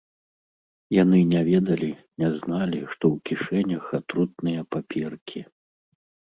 Яны не ведалі, не зналі, што ў кішэнях атрутныя паперкі.